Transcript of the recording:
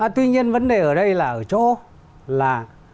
tuy nhiên vấn đề ở đây là ở chỗ là